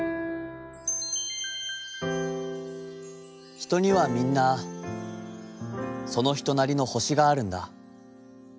「『ひとにはみんな、そのひとなりの星があるんだ。